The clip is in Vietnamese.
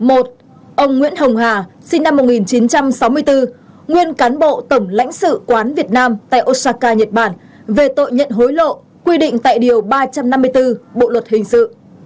ông nguyễn hồng hà sinh năm một nghìn chín trăm sáu mươi bốn nguyên cán bộ tổng lãnh sự quán việt nam tại osaka nhật bản về tội nhận hối lộ quy định tại điều ba trăm năm mươi bốn bộ luật hình sự